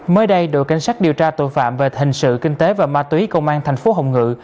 mới đây đội cảnh sát điều tra tội phạm về hình sự kinh tế và ma túy công an thành phố hồng ngự